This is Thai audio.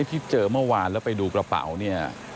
ที่เจอเมื่อวานแล้วไปดูกระเป๋าเนี่ย